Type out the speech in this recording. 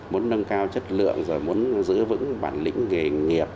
muốn nâng cao chất lượng rồi muốn giữ vững bản lĩnh nghề nghiệp